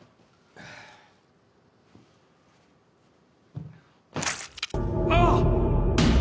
ああっ！